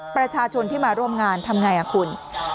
ประชาชนที่มาร่วมงานทำไงคุณ